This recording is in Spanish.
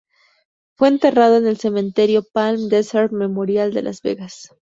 Fue enterrado en el Cementerio Palm Desert Memorial de Las Vegas.